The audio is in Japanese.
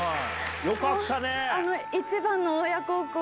よかったね！